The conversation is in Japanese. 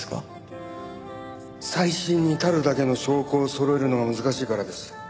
再審に足るだけの証拠をそろえるのが難しいからです。